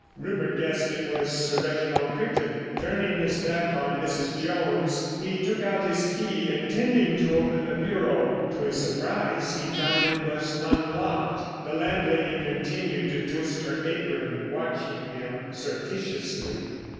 Rupert guessed it was Sir Reginald Crichton. Turning his back on Mrs. Jones he took out his key intending to open the bureau. To his surprise he found it was unlocked. The landlady continued to twist her apron, watching him surreptitiously.